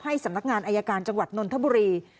สำนักงานอายการจังหวัดนนทบุรี